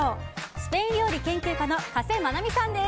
スペイン料理研究家の加瀬まなみさんです。